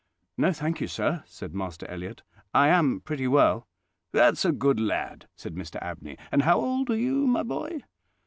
"No, thank you, sir," said Master Elliott; "I am pretty well." "That's a good lad," said Mr Abney. "And how old are you, my boy?"